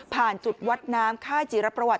จุดวัดน้ำค่ายจิรประวัติ